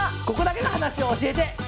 「ここだけの話」を教えて！